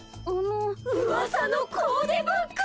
うわさのコーデブック！